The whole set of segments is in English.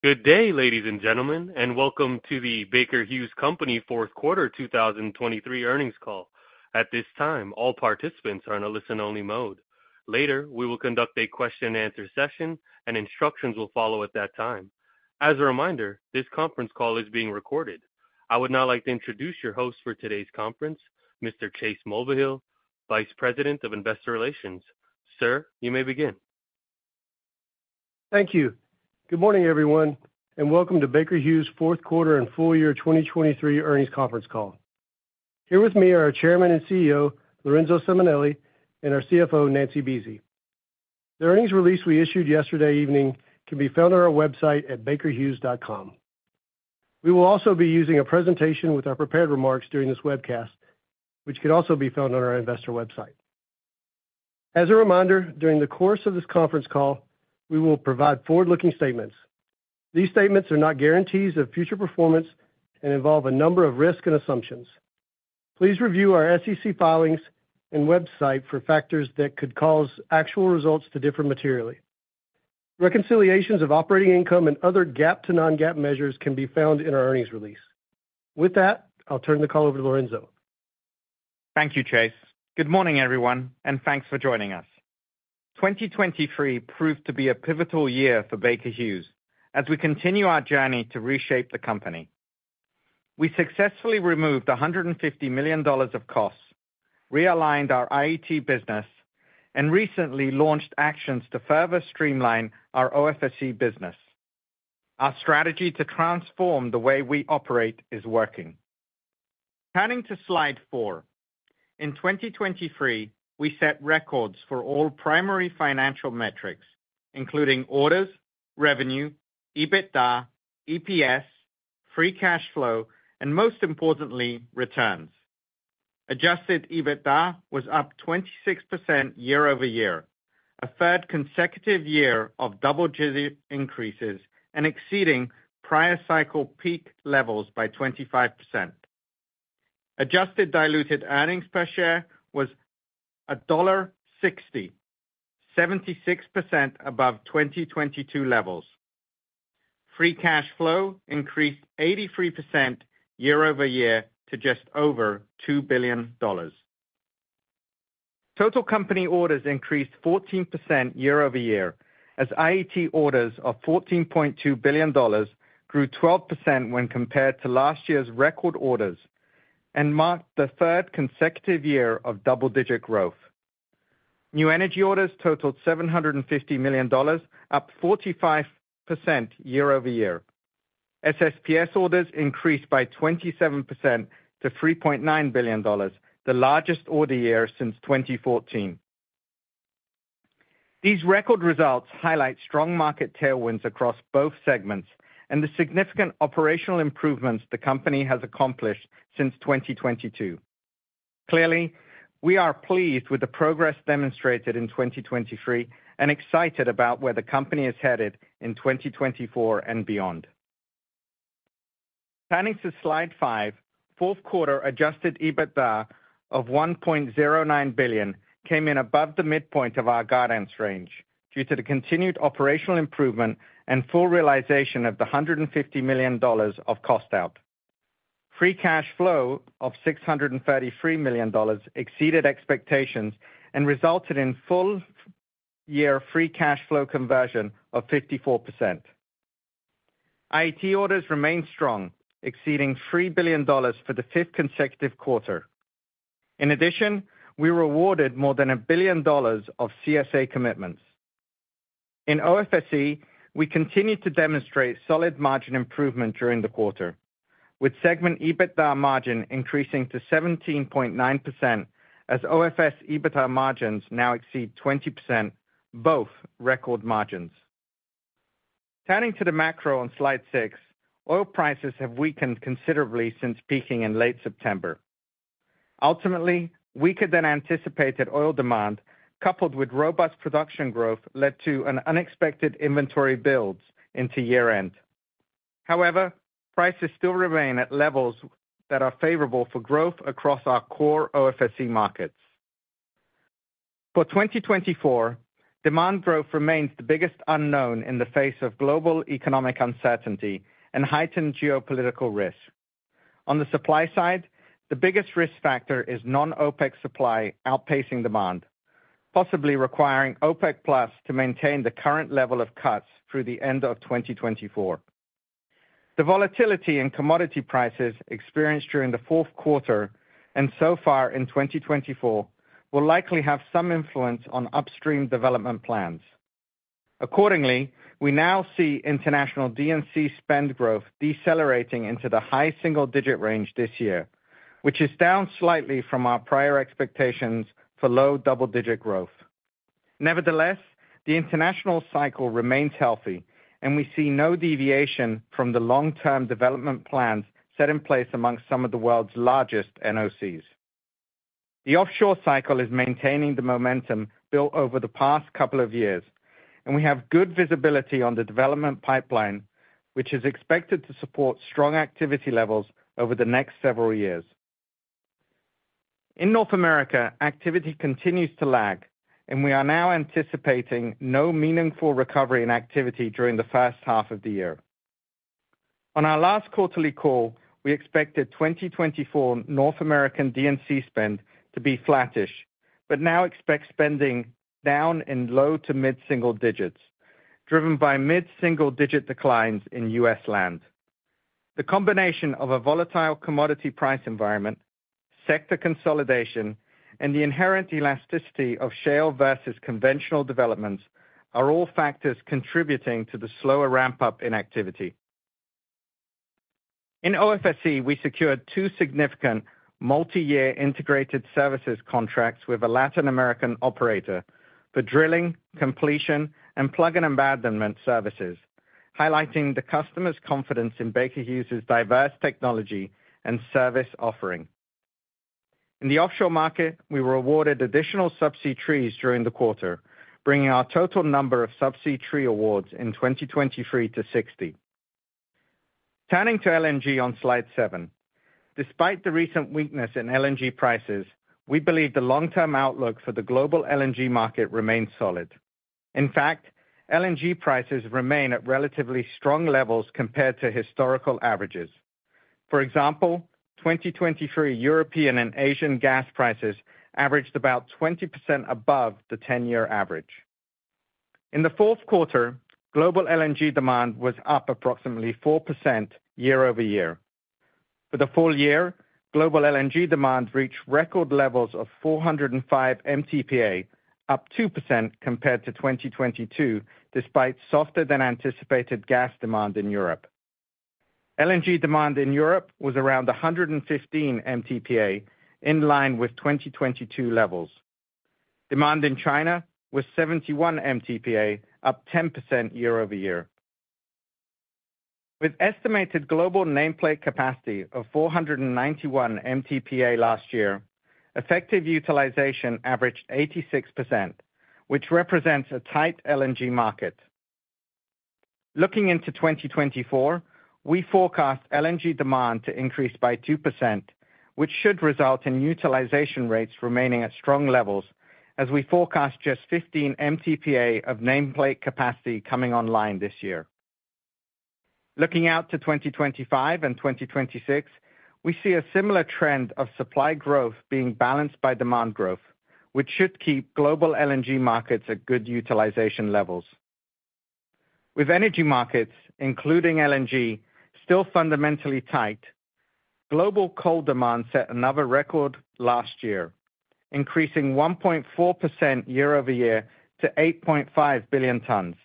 Good day, ladies and gentlemen, and welcome to the Baker Hughes Company fourth quarter 2023 earnings call. At this time, all participants are in a listen-only mode. Later, we will conduct a question and answer session, and instructions will follow at that time. As a reminder, this conference call is being recorded. I would now like to introduce your host for today's conference, Mr. Chase Mulvihill, Vice President of Investor Relations. Sir, you may begin. Thank you. Good morning, everyone, and welcome to Baker Hughes' fourth quarter and full year 2023 earnings conference call. Here with me are our Chairman and CEO, Lorenzo Simonelli, and our CFO, Nancy Buese. The earnings release we issued yesterday evening can be found on our website at bakerhughes.com. We will also be using a presentation with our prepared remarks during this webcast, which could also be found on our investor website. As a reminder, during the course of this conference call, we will provide forward-looking statements. These statements are not guarantees of future performance and involve a number of risks and assumptions. Please review our SEC filings and website for factors that could cause actual results to differ materially. Reconciliations of operating income and other GAAP to non-GAAP measures can be found in our earnings release. With that, I'll turn the call over to Lorenzo. Thank you, Chase. Good morning, everyone, and thanks for joining us. 2023 proved to be a pivotal year for Baker Hughes as we continue our journey to reshape the company. We successfully removed $150 million of costs, realigned our IET business, and recently launched actions to further streamline our OFSE business. Our strategy to transform the way we operate is working. Turning to slide 4. In 2023, we set records for all primary financial metrics, including orders, revenue, EBITDA, EPS, free cash flow, and most importantly, returns. Adjusted EBITDA was up 26% year-over-year, a third consecutive year of double-digit increases, and exceeding prior cycle peak levels by 25%. Adjusted diluted earnings per share was $1.60, 76% above 2022 levels. Free cash flow increased 83% year-over-year to just over $2 billion. Total company orders increased 14% year-over-year, as IET orders of $14.2 billion grew 12% when compared to last year's record orders and marked the third consecutive year of double-digit growth. New energy orders totaled $750 million, up 45% year-over-year. SSPS orders increased by 27% to $3.9 billion, the largest order year since 2014. These record results highlight strong market tailwinds across both segments and the significant operational improvements the company has accomplished since 2022. Clearly, we are pleased with the progress demonstrated in 2023 and excited about where the company is headed in 2024 and beyond. Turning to slide five. Fourth quarter adjusted EBITDA of $1.09 billion came in above the midpoint of our guidance range due to the continued operational improvement and full realization of the $150 million of cost out. Free cash flow of $633 million exceeded expectations and resulted in full-year free cash flow conversion of 54%. IET orders remained strong, exceeding $3 billion for the fifth consecutive quarter. In addition, we were awarded more than $1 billion of CSA commitments. In OFSE, we continued to demonstrate solid margin improvement during the quarter, with segment EBITDA margin increasing to 17.9% as OFS EBITDA margins now exceed 20%, both record margins. Turning to the macro on slide 6, oil prices have weakened considerably since peaking in late September. Ultimately, weaker-than-anticipated oil demand, coupled with robust production growth, led to an unexpected inventory builds into year-end. However, prices still remain at levels that are favorable for growth across our core OFSE markets. For 2024, demand growth remains the biggest unknown in the face of global economic uncertainty and heightened geopolitical risk. On the supply side, the biggest risk factor is non-OPEC supply outpacing demand, possibly requiring OPEC+ to maintain the current level of cuts through the end of 2024. The volatility in commodity prices experienced during the fourth quarter and so far in 2024, will likely have some influence on upstream development plans. Accordingly, we now see international D&C spend growth decelerating into the high single-digit range this year, which is down slightly from our prior expectations for low double-digit growth. Nevertheless, the international cycle remains healthy, and we see no deviation from the long-term development plans set in place amongst some of the world's largest NOCs. The offshore cycle is maintaining the momentum built over the past couple of years, and we have good visibility on the development pipeline, which is expected to support strong activity levels over the next several years. In North America, activity continues to lag, and we are now anticipating no meaningful recovery in activity during the first half of the year. On our last quarterly call, we expected 2024 North American D&C spend to be flattish, but now expect spending down in low- to mid-single digits, driven by mid-single-digit declines in U.S. land. The combination of a volatile commodity price environment, sector consolidation, and the inherent elasticity of shale versus conventional developments, are all factors contributing to the slower ramp-up in activity. In OFSE, we secured 2 significant multi-year integrated services contracts with a Latin American operator for drilling, completion, and plug and abandonment services, highlighting the customer's confidence in Baker Hughes's diverse technology and service offering. In the offshore market, we were awarded additional subsea trees during the quarter, bringing our total number of subsea tree awards in 2023 to 60. Turning to LNG on Slide 7. Despite the recent weakness in LNG prices, we believe the long-term outlook for the global LNG market remains solid. In fact, LNG prices remain at relatively strong levels compared to historical averages. For example, 2023 European and Asian gas prices averaged about 20% above the 10-year average. In the fourth quarter, global LNG demand was up approximately 4% year-over-year. For the full year, global LNG demand reached record levels of 405 MTPA, up 2% compared to 2022, despite softer than anticipated gas demand in Europe. LNG demand in Europe was around 115 MTPA, in line with 2022 levels. Demand in China was 71 MTPA, up 10% year-over-year. With estimated global nameplate capacity of 491 MTPA last year, effective utilization averaged 86%, which represents a tight LNG market. Looking into 2024, we forecast LNG demand to increase by 2%, which should result in utilization rates remaining at strong levels as we forecast just 15 MTPA of nameplate capacity coming online this year. Looking out to 2025 and 2026, we see a similar trend of supply growth being balanced by demand growth, which should keep global LNG markets at good utilization levels. With energy markets, including LNG, still fundamentally tight, global coal demand set another record last year, increasing 1.4% year over year to 8.5 billion tons.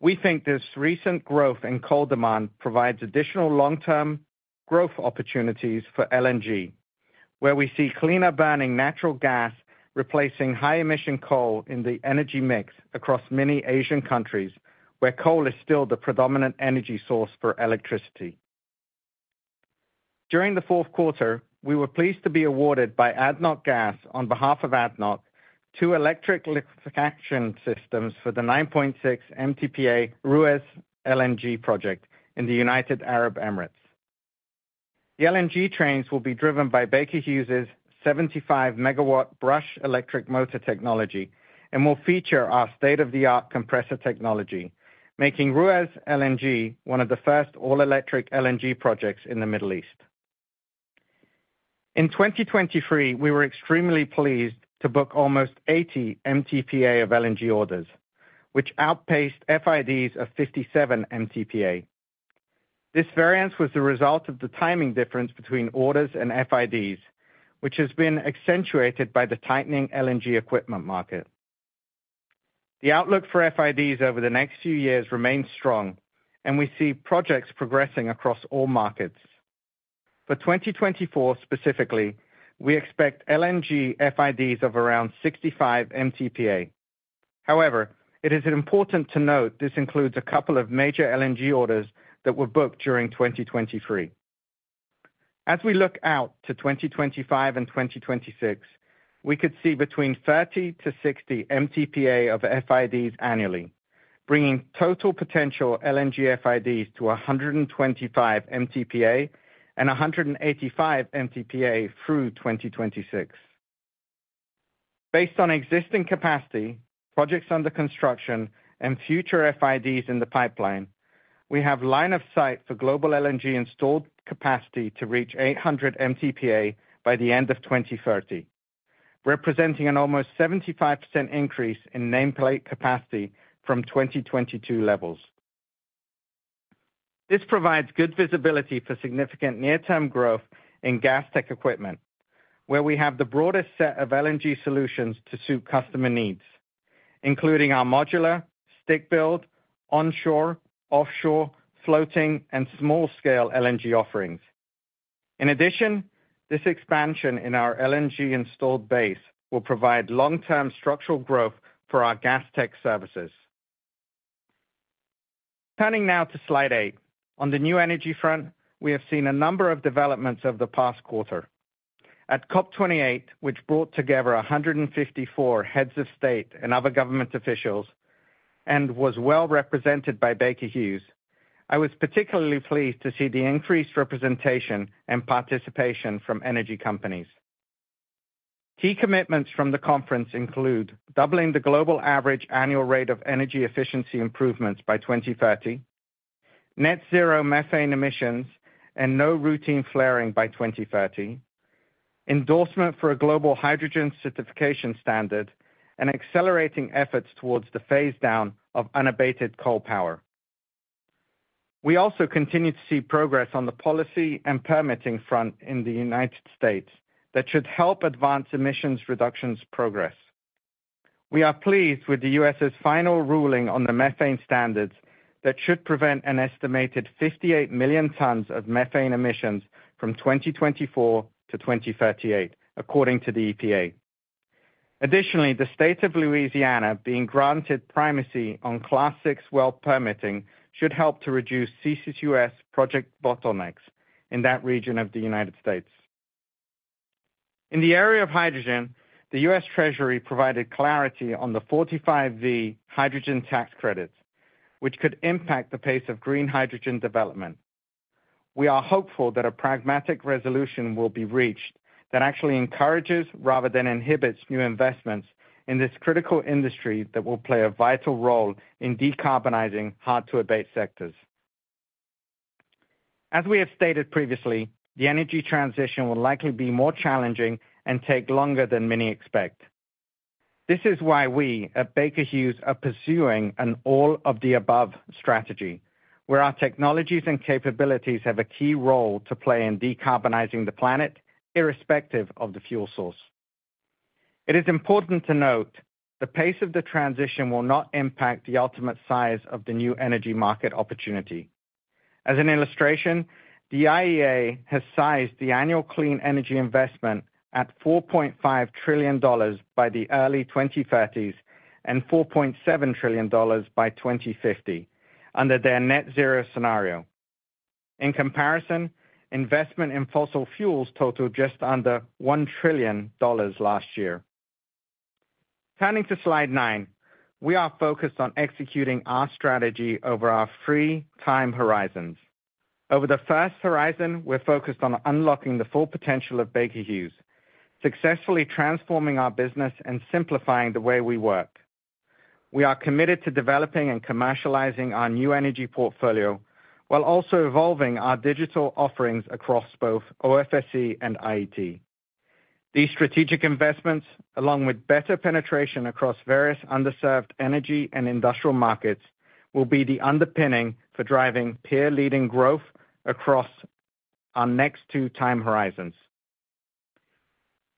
We think this recent growth in coal demand provides additional long-term growth opportunities for LNG, where we see cleaner-burning natural gas replacing high-emission coal in the energy mix across many Asian countries, where coal is still the predominant energy source for electricity. During the fourth quarter, we were pleased to be awarded by ADNOC Gas, on behalf of ADNOC, two electric liquefaction systems for the 9.6 MTPA Ruwais LNG project in the United Arab Emirates. The LNG trains will be driven by Baker Hughes's 75-megawatt Brush electric motor technology and will feature our state-of-the-art compressor technology, making Ruwais LNG one of the first all-electric LNG projects in the Middle East. In 2023, we were extremely pleased to book almost 80 MTPA of LNG orders, which outpaced FIDs of 57 MTPA. This variance was the result of the timing difference between orders and FIDs, which has been accentuated by the tightening LNG equipment market. The outlook for FIDs over the next few years remains strong, and we see projects progressing across all markets. For 2024, specifically, we expect LNG FIDs of around 65 MTPA. However, it is important to note this includes a couple of major LNG orders that were booked during 2023. As we look out to 2025 and 2026, we could see between 30-60 MTPA of FIDs annually, bringing total potential LNG FIDs to 125 MTPA and 185 MTPA through 2026. Based on existing capacity, projects under construction, and future FIDs in the pipeline, we have line of sight for global LNG installed capacity to reach 800 MTPA by the end of 2030, representing an almost 75% increase in nameplate capacity from 2022 levels. This provides good visibility for significant near-term growth in gas tech equipment, where we have the broadest set of LNG solutions to suit customer needs, including our modular, stick-build, onshore, offshore, floating, and small-scale LNG offerings. In addition, this expansion in our LNG installed base will provide long-term structural growth for our gas tech services. Turning now to Slide 8. On the new energy front, we have seen a number of developments over the past quarter. At COP 28, which brought together 154 heads of state and other government officials, and was well represented by Baker Hughes. I was particularly pleased to see the increased representation and participation from energy companies. Key commitments from the conference include doubling the global average annual rate of energy efficiency improvements by 2030, net zero methane emissions and no routine flaring by 2030, endorsement for a global hydrogen certification standard, and accelerating efforts towards the phase down of unabated coal power. We also continue to see progress on the policy and permitting front in the United States that should help advance emissions reductions progress. We are pleased with the U.S.'s final ruling on the methane standards that should prevent an estimated 58 million tons of methane emissions from 2024 to 2038, according to the EPA. Additionally, the State of Louisiana being granted primacy on Class VI well permitting should help to reduce CCUS project bottlenecks in that region of the United States. In the area of hydrogen, the U.S. Treasury provided clarity on the 45V hydrogen tax credits, which could impact the pace of green hydrogen development. We are hopeful that a pragmatic resolution will be reached that actually encourages rather than inhibits new investments in this critical industry that will play a vital role in decarbonizing hard to abate sectors. As we have stated previously, the energy transition will likely be more challenging and take longer than many expect. This is why we at Baker Hughes are pursuing an all-of-the-above strategy, where our technologies and capabilities have a key role to play in decarbonizing the planet, irrespective of the fuel source. It is important to note, the pace of the transition will not impact the ultimate size of the new energy market opportunity. As an illustration, the IEA has sized the annual clean energy investment at $4.5 trillion by the early 2030s, and $4.7 trillion by 2050, under their net zero scenario. In comparison, investment in fossil fuels totaled just under $1 trillion last year. Turning to slide 9, we are focused on executing our strategy over our three time horizons. Over the first horizon, we're focused on unlocking the full potential of Baker Hughes, successfully transforming our business and simplifying the way we work. We are committed to developing and commercializing our new energy portfolio, while also evolving our digital offerings across both OFSE and IET. These strategic investments, along with better penetration across various underserved energy and industrial markets, will be the underpinning for driving peer-leading growth across our next two time horizons.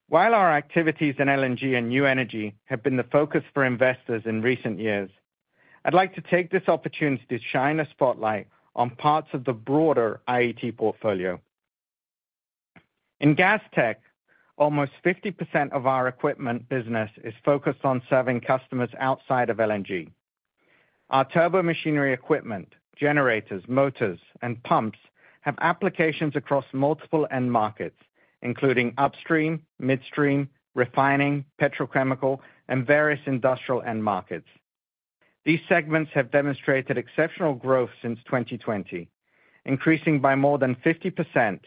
While our activities in LNG and new energy have been the focus for investors in recent years, I'd like to take this opportunity to shine a spotlight on parts of the broader IET portfolio. In gas tech, almost 50% of our equipment business is focused on serving customers outside of LNG. Our turbomachinery equipment, generators, motors, and pumps have applications across multiple end markets, including upstream, midstream, refining, petrochemical, and various industrial end markets. These segments have demonstrated exceptional growth since 2020, increasing by more than 50%,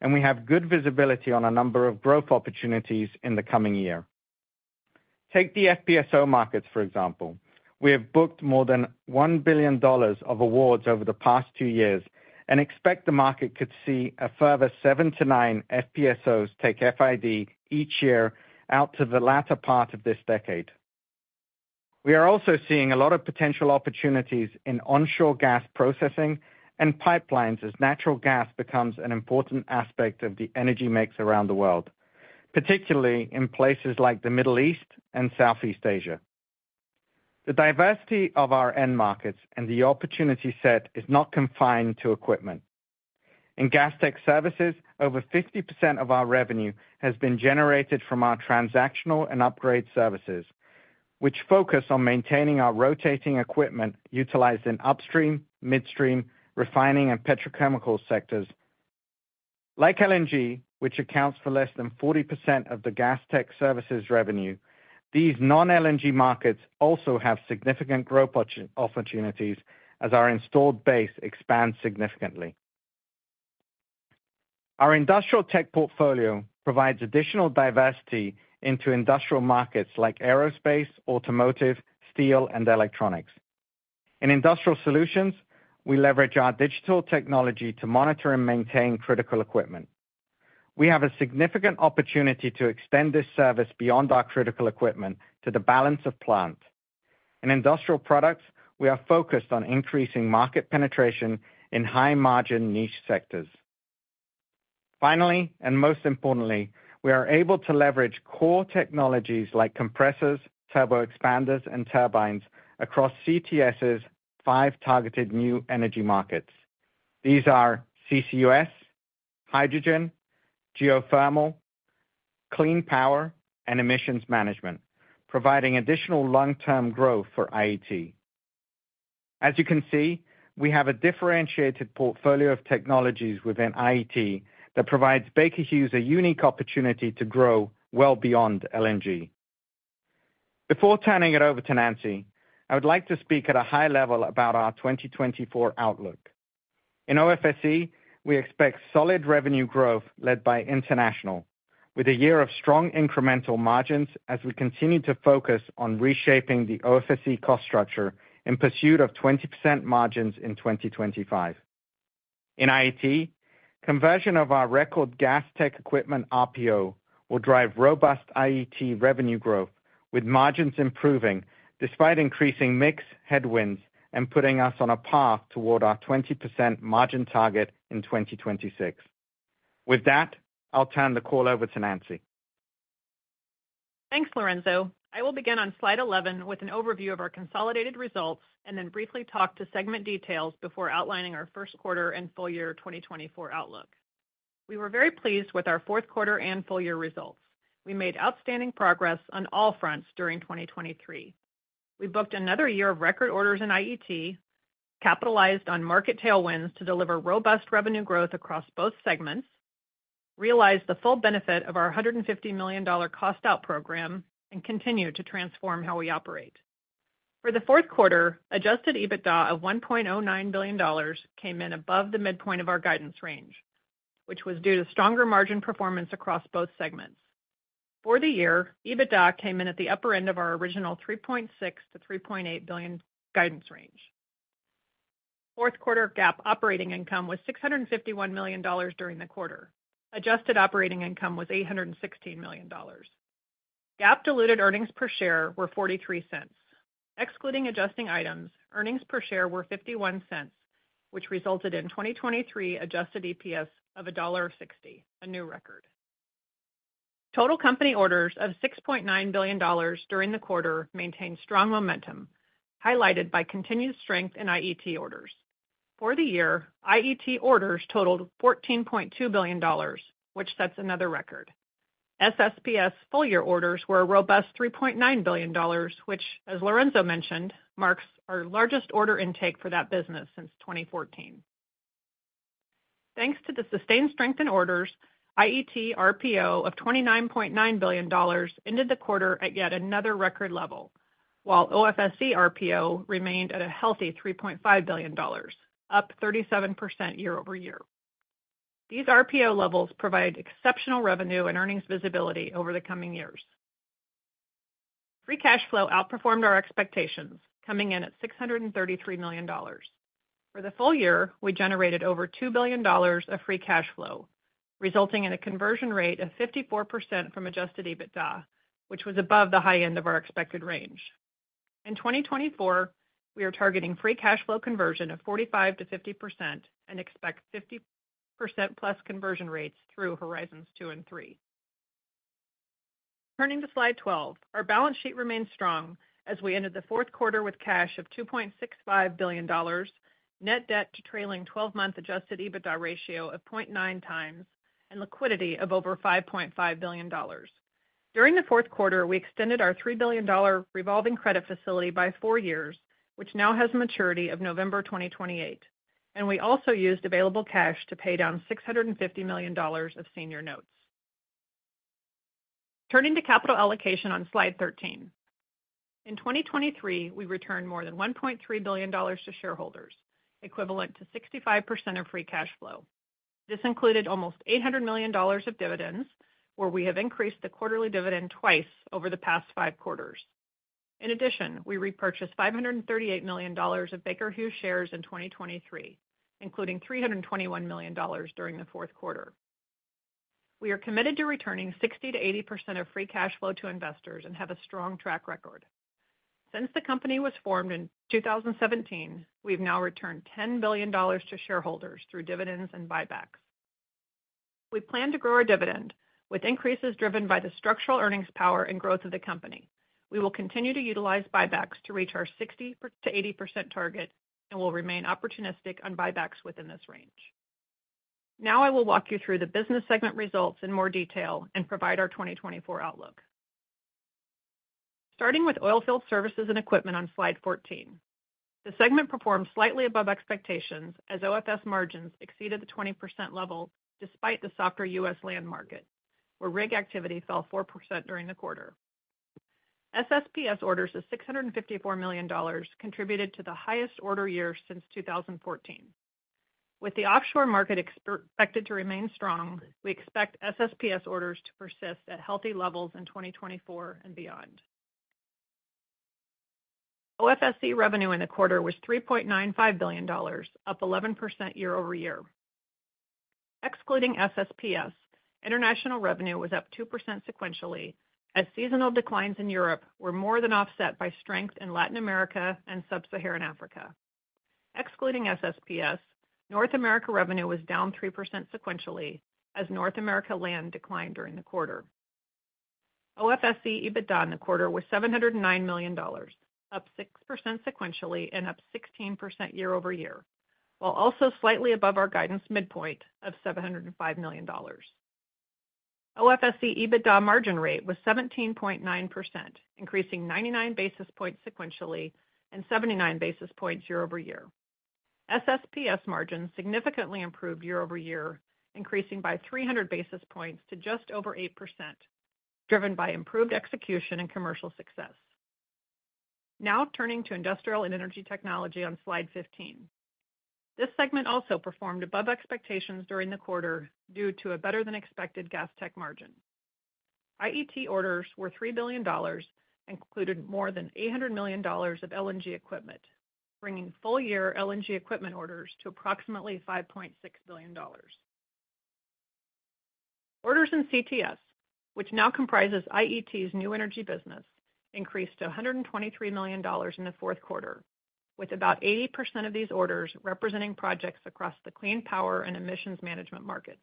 and we have good visibility on a number of growth opportunities in the coming year. Take the FPSO markets, for example. We have booked more than $1 billion of awards over the past 2 years and expect the market could see a further 7-9 FPSOs take FID each year out to the latter part of this decade. We are also seeing a lot of potential opportunities in onshore gas processing and pipelines, as natural gas becomes an important aspect of the energy mix around the world, particularly in places like the Middle East and Southeast Asia. The diversity of our end markets and the opportunity set is not confined to equipment. In gas tech services, over 50% of our revenue has been generated from our transactional and upgrade services, which focus on maintaining our rotating equipment utilized in upstream, midstream, refining, and petrochemical sectors. Like LNG, which accounts for less than 40% of the gas tech services revenue, these non-LNG markets also have significant growth opportunities as our installed base expands significantly. Our industrial tech portfolio provides additional diversity into industrial markets like aerospace, automotive, steel, and electronics. In industrial solutions, we leverage our digital technology to monitor and maintain critical equipment. We have a significant opportunity to extend this service beyond our critical equipment to the balance of plant. In industrial products, we are focused on increasing market penetration in high-margin niche sectors. Finally, and most importantly, we are able to leverage core technologies like compressors, turbo expanders, and turbines across CTS's five targeted new energy markets. These are CCUS, hydrogen, geothermal, clean power, and emissions management, providing additional long-term growth for IET. As you can see, we have a differentiated portfolio of technologies within IET that provides Baker Hughes a unique opportunity to grow well beyond LNG. Before turning it over to Nancy, I would like to speak at a high level about our 2024 outlook. In OFSE, we expect solid revenue growth led by international, with a year of strong incremental margins as we continue to focus on reshaping the OFSE cost structure in pursuit of 20% margins in 2025. In IET, conversion of our record Gas Tech Equipment RPO will drive robust IET revenue growth, with margins improving despite increasing mix headwinds and putting us on a path toward our 20% margin target in 2026. With that, I'll turn the call over to Nancy. Thanks, Lorenzo. I will begin on slide 11 with an overview of our consolidated results and then briefly talk to segment details before outlining our first quarter and full year 2024 outlook. We were very pleased with our fourth quarter and full year results. We made outstanding progress on all fronts during 2023. We booked another year of record orders in IET, capitalized on market tailwinds to deliver robust revenue growth across both segments, realized the full benefit of our $150 million cost out program, and continued to transform how we operate. For the fourth quarter, adjusted EBITDA of $1.09 billion came in above the midpoint of our guidance range, which was due to stronger margin performance across both segments. For the year, EBITDA came in at the upper end of our original $3.6 billion-$3.8 billion guidance range. Fourth quarter GAAP operating income was $651 million during the quarter. Adjusted operating income was $816 million. GAAP diluted earnings per share were $0.43. Excluding adjusting items, earnings per share were $0.51, which resulted in 2023 adjusted EPS of $1.60, a new record. Total company orders of $6.9 billion during the quarter maintained strong momentum, highlighted by continued strength in IET orders. For the year, IET orders totaled $14.2 billion, which sets another record. SSPS full year orders were a robust $3.9 billion, which, as Lorenzo mentioned, marks our largest order intake for that business since 2014. Thanks to the sustained strength in orders, IET RPO of $29.9 billion ended the quarter at yet another record level, while OFSE RPO remained at a healthy $3.5 billion, up 37% year-over-year. These RPO levels provide exceptional revenue and earnings visibility over the coming years. Free cash flow outperformed our expectations, coming in at $633 million. For the full year, we generated over $2 billion of free cash flow, resulting in a conversion rate of 54% from adjusted EBITDA, which was above the high end of our expected range. In 2024, we are targeting free cash flow conversion of 45%-50% and expect 50%+ conversion rates through Horizons Two and Three. Turning to slide 12. Our balance sheet remains strong as we ended the fourth quarter with cash of $2.65 billion, net debt to trailing twelve-month adjusted EBITDA ratio of 0.9 times, and liquidity of over $5.5 billion. During the fourth quarter, we extended our $3 billion revolving credit facility by 4 years, which now has maturity of November 2028, and we also used available cash to pay down $650 million of senior notes. Turning to capital allocation on slide 13. In 2023, we returned more than $1.3 billion to shareholders, equivalent to 65% of free cash flow. This included almost $800 million of dividends, where we have increased the quarterly dividend twice over the past 5 quarters. In addition, we repurchased $538 million of Baker Hughes shares in 2023, including $321 million during the fourth quarter. We are committed to returning 60%-80% of free cash flow to investors and have a strong track record. Since the company was formed in 2017, we've now returned $10 billion to shareholders through dividends and buybacks. We plan to grow our dividend, with increases driven by the structural earnings, power and growth of the company. We will continue to utilize buybacks to reach our 60%-80% target and will remain opportunistic on buybacks within this range. Now I will walk you through the business segment results in more detail and provide our 2024 outlook. Starting with oilfield services and equipment on slide 14. The segment performed slightly above expectations as OFSE margins exceeded the 20% level despite the softer U.S. land market, where rig activity fell 4% during the quarter. SSPS orders of $654 million contributed to the highest order year since 2014. With the offshore market expected to remain strong, we expect SSPS orders to persist at healthy levels in 2024 and beyond. OFSE revenue in the quarter was $3.95 billion, up 11% year-over-year. Excluding SSPS, international revenue was up 2% sequentially, as seasonal declines in Europe were more than offset by strength in Latin America and sub-Saharan Africa. Excluding SSPS, North America revenue was down 3% sequentially as North America land declined during the quarter. OFSE EBITDA in the quarter was $709 million, up 6% sequentially and up 16% year-over-year, while also slightly above our guidance midpoint of $705 million.... OFSE EBITDA margin rate was 17.9%, increasing 99 basis points sequentially and 79 basis points year-over-year. SSPS margins significantly improved year-over-year, increasing by 300 basis points to just over 8%, driven by improved execution and commercial success. Now turning to Industrial and Energy Technology on slide 15. This segment also performed above expectations during the quarter due to a better than expected gas tech margin. IET orders were $3 billion and included more than $800 million of LNG equipment, bringing full-year LNG equipment orders to approximately $5.6 billion. Orders in CTS, which now comprises IET's new energy business, increased to $123 million in the fourth quarter, with about 80% of these orders representing projects across the clean power and emissions management markets.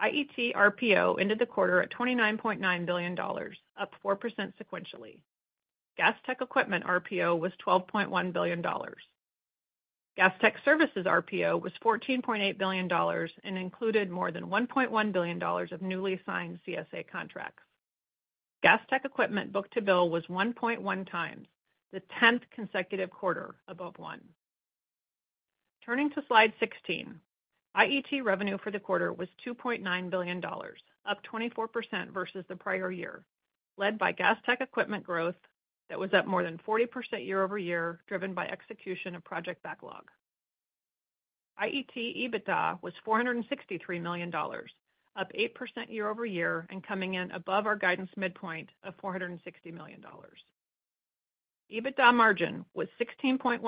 IET RPO ended the quarter at $29.9 billion, up 4% sequentially. Gas Tech Equipment RPO was $12.1 billion. Gas Tech Services RPO was $14.8 billion and included more than $1.1 billion of newly signed CSA contracts. Gas Tech Equipment book-to-bill was 1.1x, the 10th consecutive quarter above 1. Turning to slide 16, IET revenue for the quarter was $2.9 billion, up 24% versus the prior year, led by Gas Tech Equipment growth that was up more than 40% year-over-year, driven by execution of project backlog. IET EBITDA was $463 million, up 8% year-over-year, and coming in above our guidance midpoint of $460 million. EBITDA margin was 16.1%,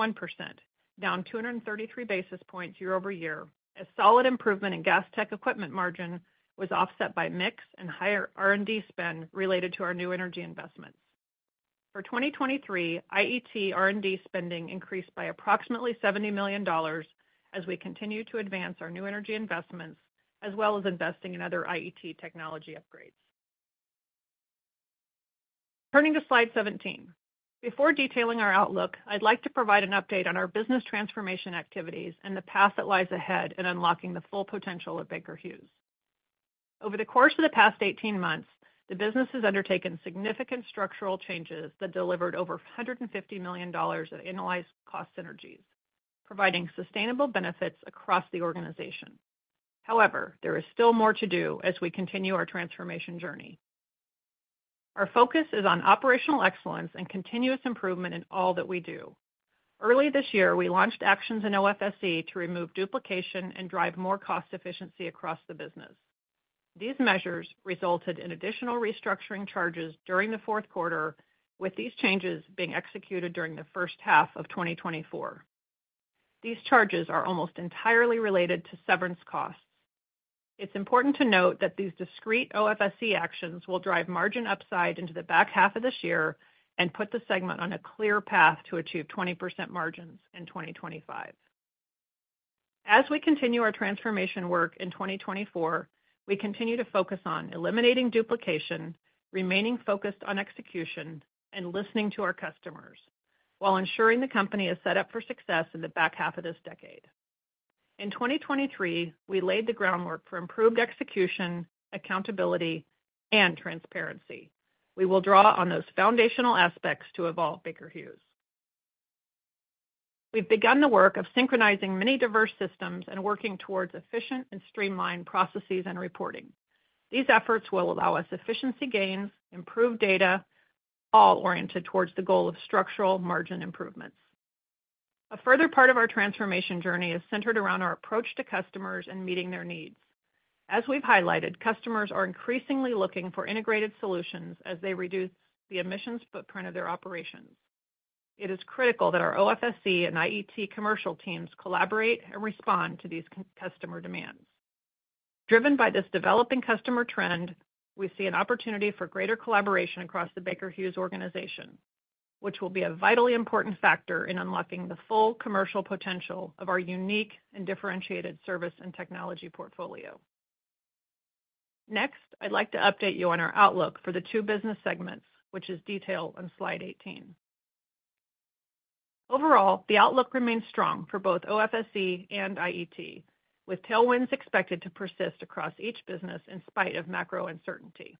down 233 basis points year-over-year, as solid improvement in Gas Tech Equipment margin was offset by mix and higher R&D spend related to our new energy investments. For 2023, IET R&D spending increased by approximately $70 million as we continue to advance our new energy investments, as well as investing in other IET technology upgrades. Turning to slide 17. Before detailing our outlook, I'd like to provide an update on our business transformation activities and the path that lies ahead in unlocking the full potential of Baker Hughes. Over the course of the past 18 months, the business has undertaken significant structural changes that delivered over $150 million of annualized cost synergies, providing sustainable benefits across the organization. However, there is still more to do as we continue our transformation journey. Our focus is on operational excellence and continuous improvement in all that we do. Early this year, we launched actions in OFSE to remove duplication and drive more cost efficiency across the business. These measures resulted in additional restructuring charges during the fourth quarter, with these changes being executed during the first half of 2024. These charges are almost entirely related to severance costs. It's important to note that these discrete OFSE actions will drive margin upside into the back half of this year and put the segment on a clear path to achieve 20% margins in 2025. As we continue our transformation work in 2024, we continue to focus on eliminating duplication, remaining focused on execution, and listening to our customers, while ensuring the company is set up for success in the back half of this decade. In 2023, we laid the groundwork for improved execution, accountability, and transparency. We will draw on those foundational aspects to evolve Baker Hughes. We've begun the work of synchronizing many diverse systems and working towards efficient and streamlined processes and reporting. These efforts will allow us efficiency gains, improved data, all oriented towards the goal of structural margin improvements. A further part of our transformation journey is centered around our approach to customers and meeting their needs. As we've highlighted, customers are increasingly looking for integrated solutions as they reduce the emissions footprint of their operations. It is critical that our OFSE and IET commercial teams collaborate and respond to these customer demands. Driven by this developing customer trend, we see an opportunity for greater collaboration across the Baker Hughes organization, which will be a vitally important factor in unlocking the full commercial potential of our unique and differentiated service and technology portfolio. Next, I'd like to update you on our outlook for the two business segments, which is detailed on slide 18. Overall, the outlook remains strong for both OFSE and IET, with tailwinds expected to persist across each business in spite of macro uncertainty.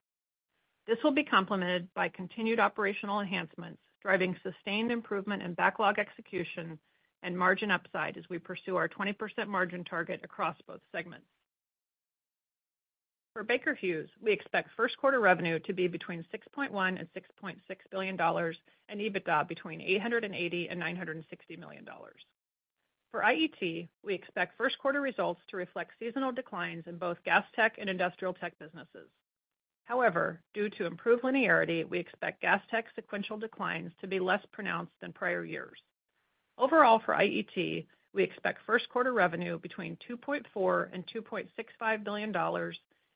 This will be complemented by continued operational enhancements, driving sustained improvement in backlog execution and margin upside as we pursue our 20% margin target across both segments. For Baker Hughes, we expect first quarter revenue to be between $6.1 billion and $6.6 billion, and EBITDA between $880 million and $960 million. For IET, we expect first quarter results to reflect seasonal declines in both gas tech and industrial tech businesses. However, due to improved linearity, we expect gas tech sequential declines to be less pronounced than prior years. Overall, for IET, we expect first quarter revenue between $2.4 billion and $2.65 billion,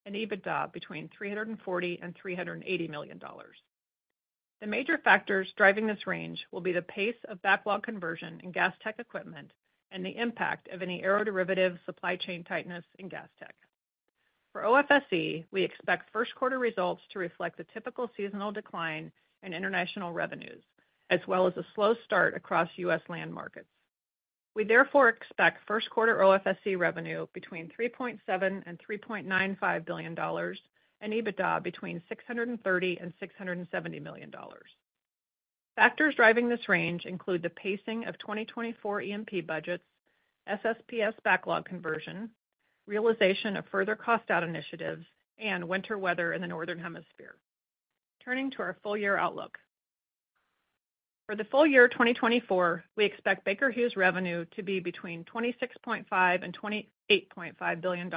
and EBITDA between $340 million and $380 million. The major factors driving this range will be the pace of backlog conversion in gas tech equipment and the impact of any aeroderivative supply chain tightness in gas tech. For OFSE, we expect first quarter results to reflect the typical seasonal decline in international revenues, as well as a slow start across U.S. land markets. We therefore expect first quarter OFSE revenue between $3.7 billion-$3.95 billion, and EBITDA between $630 million-$670 million. Factors driving this range include the pacing of 2024 E&P budgets, SSPS backlog conversion, realization of further cost out initiatives, and winter weather in the Northern Hemisphere. Turning to our full year outlook. For the full year 2024, we expect Baker Hughes revenue to be between $26.5 billion-$28.5 billion,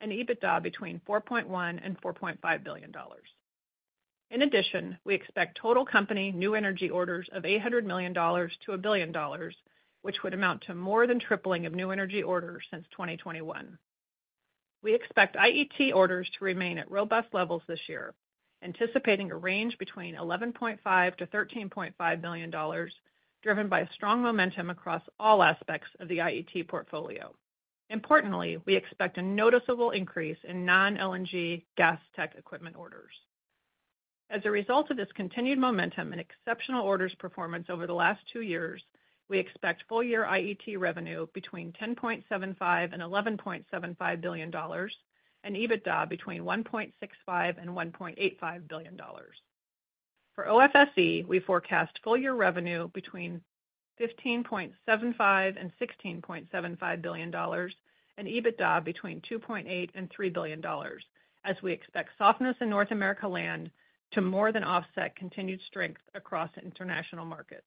and EBITDA between $4.1 billion-$4.5 billion. In addition, we expect total company new energy orders of $800 million to $1 billion, which would amount to more than tripling of new energy orders since 2021. We expect IET orders to remain at robust levels this year, anticipating a range between $11.5 billion-$13.5 billion, driven by strong momentum across all aspects of the IET portfolio. Importantly, we expect a noticeable increase in non-LNG gas tech equipment orders. As a result of this continued momentum and exceptional orders performance over the last two years, we expect full year IET revenue between $10.75 billion-$11.75 billion, and EBITDA between $1.65 billion-$1.85 billion. For OFSE, we forecast full-year revenue between $15.75 billion and $16.75 billion, and EBITDA between $2.8 billion and $3 billion, as we expect softness in North America land to more than offset continued strength across international markets.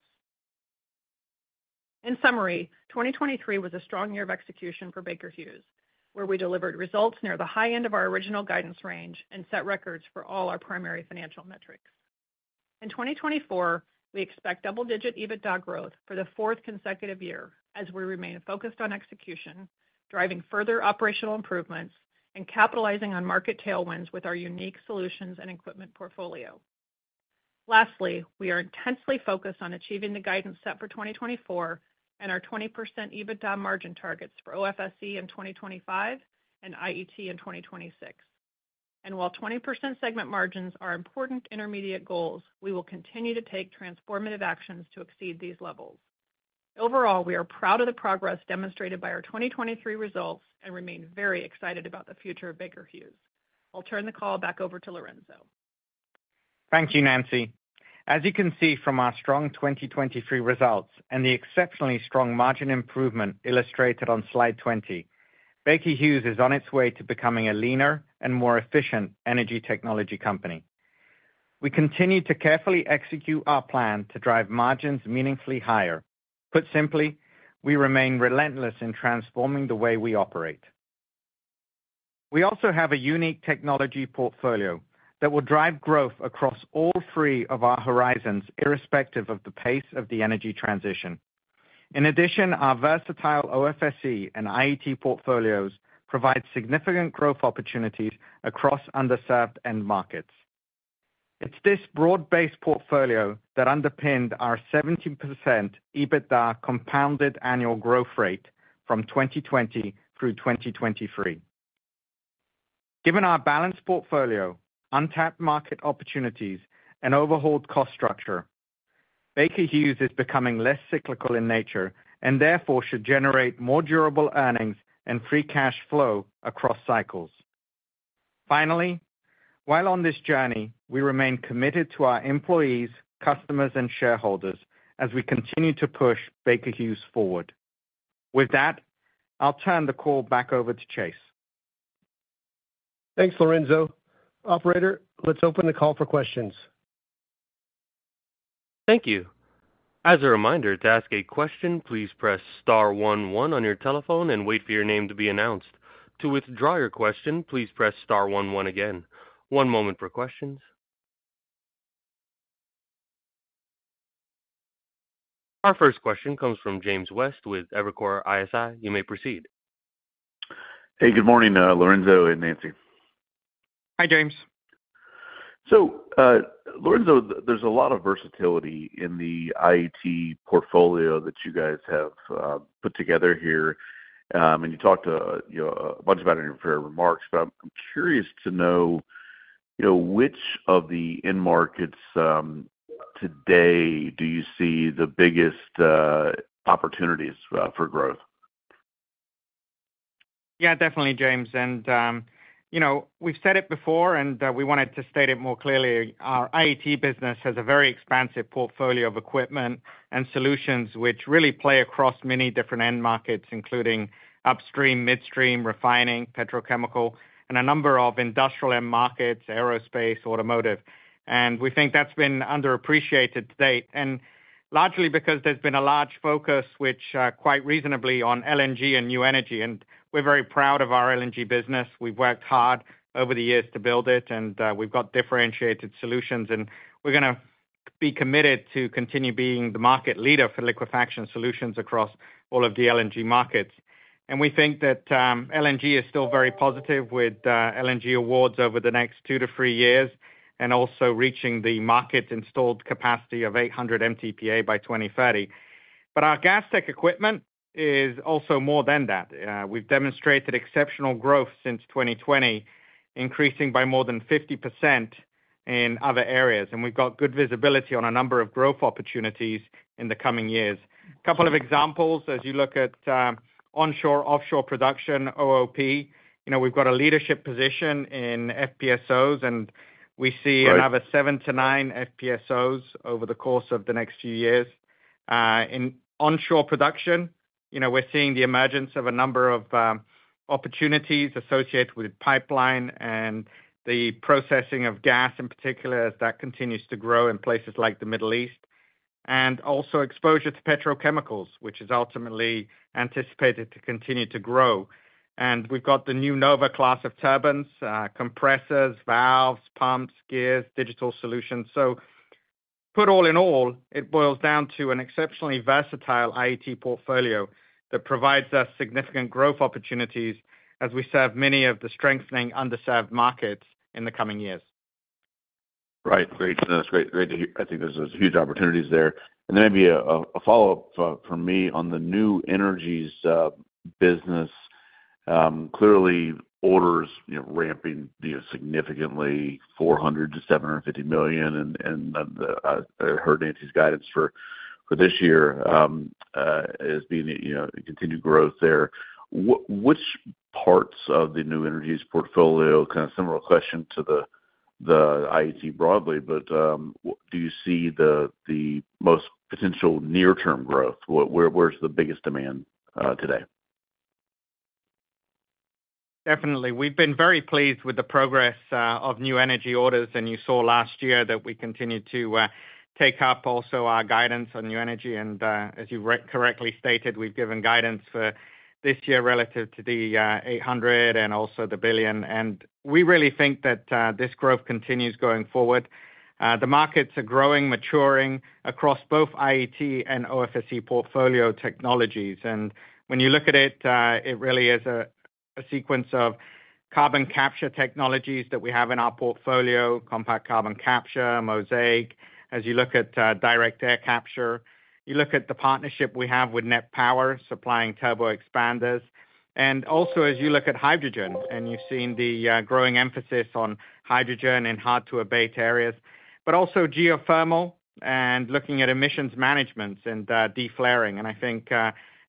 In summary, 2023 was a strong year of execution for Baker Hughes, where we delivered results near the high end of our original guidance range and set records for all our primary financial metrics. In 2024, we expect double-digit EBITDA growth for the fourth consecutive year as we remain focused on execution, driving further operational improvements, and capitalizing on market tailwinds with our unique solutions and equipment portfolio. Lastly, we are intensely focused on achieving the guidance set for 2024 and our 20% EBITDA margin targets for OFSE in 2025 and IET in 2026. And while 20% segment margins are important intermediate goals, we will continue to take transformative actions to exceed these levels. Overall, we are proud of the progress demonstrated by our 2023 results and remain very excited about the future of Baker Hughes. I'll turn the call back over to Lorenzo. Thank you, Nancy. As you can see from our strong 2023 results and the exceptionally strong margin improvement illustrated on slide 20, Baker Hughes is on its way to becoming a leaner and more efficient energy technology company. We continue to carefully execute our plan to drive margins meaningfully higher. Put simply, we remain relentless in transforming the way we operate. We also have a unique technology portfolio that will drive growth across all three of our horizons, irrespective of the pace of the energy transition. In addition, our versatile OFSE and IET portfolios provide significant growth opportunities across underserved end markets. It's this broad-based portfolio that underpinned our 17% EBITDA compounded annual growth rate from 2020 through 2023. Given our balanced portfolio, untapped market opportunities, and overhauled cost structure, Baker Hughes is becoming less cyclical in nature and therefore should generate more durable earnings and free cash flow across cycles. Finally, while on this journey, we remain committed to our employees, customers, and shareholders as we continue to push Baker Hughes forward. With that, I'll turn the call back over to Chase. Thanks, Lorenzo. Operator, let's open the call for questions. Thank you. As a reminder, to ask a question, please press star one one on your telephone and wait for your name to be announced. To withdraw your question, please press star one one again. One moment for questions. Our first question comes from James West with Evercore ISI. You may proceed. Hey, good morning, Lorenzo and Nancy. Hi, James. So, Lorenzo, there's a lot of versatility in the IET portfolio that you guys have put together here. And you talked, you know, a bunch about it in your prepared remarks, but I'm curious to know, you know, which of the end markets today do you see the biggest opportunities for growth? Yeah, definitely, James. And, you know, we've said it before, and, we wanted to state it more clearly. Our IET business has a very expansive portfolio of equipment and solutions which really play across many different end markets, including upstream, midstream, refining, petrochemical, and a number of industrial end markets, aerospace, automotive. And we think that's been underappreciated to date, and largely because there's been a large focus, which, quite reasonably on LNG and new energy. And we're very proud of our LNG business. We've worked hard over the years to build it, and, we've got differentiated solutions, and we're gonna be committed to continue being the market leader for liquefaction solutions across all of the LNG markets. And we think that LNG is still very positive with LNG awards over the next 2-3 years, and also reaching the market's installed capacity of 800 MTPA by 2030. But our Gas Tech Equipment is also more than that. We've demonstrated exceptional growth since 2020, increasing by more than 50% in other areas, and we've got good visibility on a number of growth opportunities in the coming years. A couple of examples, as you look at onshore-offshore production, OOP, you know, we've got a leadership position in FPSOs, and we see- Right another 7-9 FPSOs over the course of the next few years. In onshore production, you know, we're seeing the emergence of a number of opportunities associated with pipeline and the processing of gas, in particular, as that continues to grow in places like the Middle East. And also exposure to petrochemicals, which is ultimately anticipated to continue to grow. And we've got the new Nova class of turbines, compressors, valves, pumps, gears, digital solutions. So put all in all, it boils down to an exceptionally versatile IET portfolio that provides us significant growth opportunities as we serve many of the strengthening underserved markets in the coming years. Right. Great. That's great. Great to hear. I think there's those huge opportunities there. And then maybe a follow-up from me on the new energies business. Clearly orders, you know, ramping, you know, significantly, $400 million-$750 million, and I heard Nancy's guidance for this year as being, you know, continued growth there. Which parts of the new energies portfolio, kind of similar question to the IET broadly, but do you see the most potential near-term growth? Where's the biggest demand today? Definitely. We've been very pleased with the progress of new energy orders, and you saw last year that we continued to take up also our guidance on new energy. And, as you correctly stated, we've given guidance for this year relative to the $800 million and $1 billion. And we really think that this growth continues going forward. The markets are growing, maturing across both IET and OFSE portfolio technologies. And when you look at it, it really is a sequence of carbon capture technologies that we have in our portfolio, compact carbon capture, Mosaic. As you look at direct air capture, you look at the partnership we have with NET Power, supplying turbo expanders. And also, as you look at hydrogen, and you've seen the growing emphasis on hydrogen in hard-to-abate areas, but also geothermal and looking at emissions management and deflaring. And I think,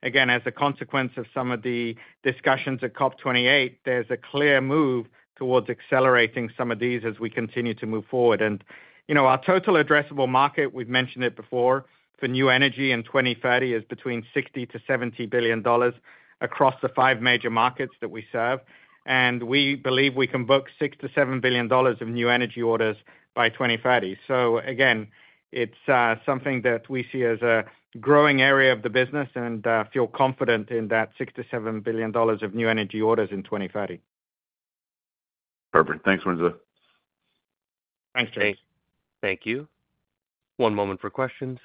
again, as a consequence of some of the discussions at COP28, there's a clear move towards accelerating some of these as we continue to move forward. And, you know, our total addressable market, we've mentioned it before, for new energy in 2030 is between $60 billion-$70 billion across the five major markets that we serve, and we believe we can book $6 billion-$7 billion of new energy orders by 2030. So again, it's something that we see as a growing area of the business and feel confident in that $6 billion-$7 billion of new energy orders in 2030. Perfect. Thanks, Lorenzo. Thanks, Jay. Thank you. One moment for questions.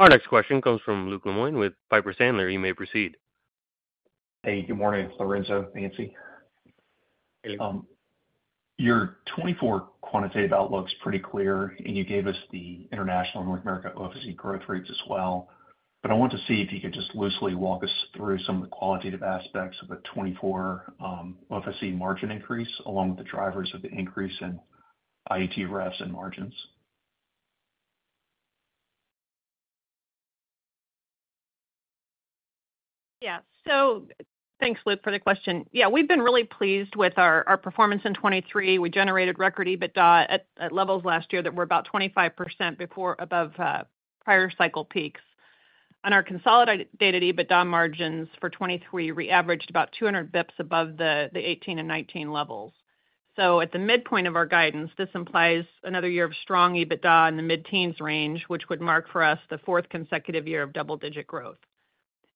Our next question comes from Luke Lemoine with Piper Sandler. You may proceed. Hey, good morning, Lorenzo, Nancy. Hey. Your 2024 quantitative outlook is pretty clear, and you gave us the international and North America OFSE growth rates as well. But I want to see if you could just loosely walk us through some of the qualitative aspects of the 2024 OFSE margin increase, along with the drivers of the increase in IET revs and margins. Yeah. So thanks, Luke, for the question. Yeah, we've been really pleased with our performance in 2023. We generated record EBITDA at levels last year that were about 25% above prior cycle peaks. On our consolidated EBITDA margins for 2023, we averaged about 200 basis points above the 2018 and 2019 levels. So at the midpoint of our guidance, this implies another year of strong EBITDA in the mid-teens range, which would mark for us the fourth consecutive year of double-digit growth.